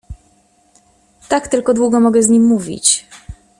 Tak tylko długo mogę z nim mówić.